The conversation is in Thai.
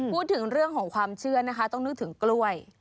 พูดถึงเรื่องของความเชื่อนะคะต้องนึกถึงกล้วย